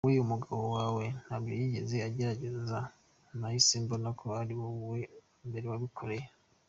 Wowe umugabo wawe ntabyo yigeze agerageza nahise mbona ko ari wowe wa mbere yabikoreye.